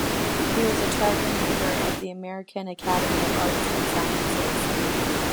He was a charter member of the American Academy of Arts and Sciences.